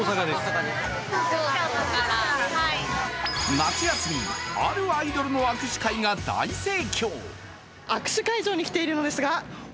夏休みあるアイドルの握手会が大盛況。